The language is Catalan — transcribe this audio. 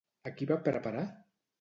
A qui va preparar?